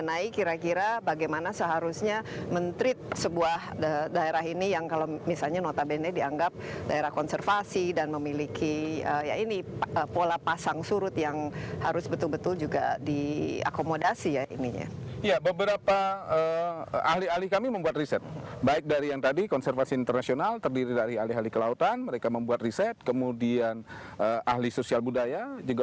ahli sosial budaya juga